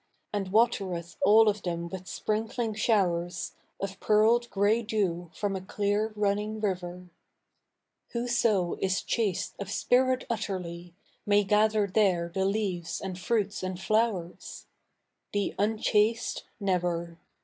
And watereth all of them with sprinkling showers Of pearled grey dew fro^n a clear running river. M 2 i8o THE NEW EEPUBLIC [bk. hi IVhoso is chaste of spirit utterly. May gather there the leaves and fruits and flowers — The tinchaste, never.